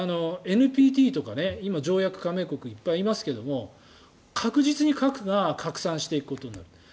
ＮＰＴとか、今、条約加盟国はいっぱいいますが確実に核が拡散していくことになる。